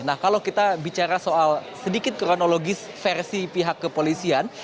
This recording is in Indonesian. nah kalau kita bicara soal sedikit kronologis versi pihak kepolisian